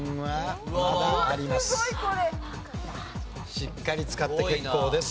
しっかり使って結構です。